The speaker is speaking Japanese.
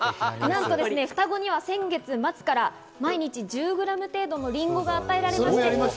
なんと双子には先月末から毎日１０グラム程度のリンゴが与えられていました。